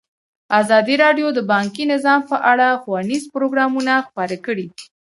ازادي راډیو د بانکي نظام په اړه ښوونیز پروګرامونه خپاره کړي.